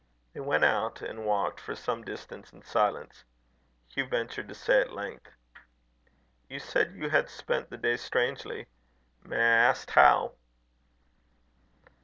They went out, and walked for some distance in silence. Hugh ventured to say at length: "You said you had spent the day strangely: May I ask how?"